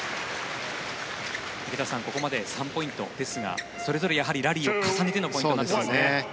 池田さん、ここまで３ポイントですがそれぞれラリーを重ねてのポイントになっていますね。